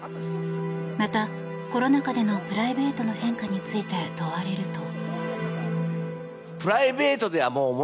また、コロナ禍でのプライベートの変化について問われると。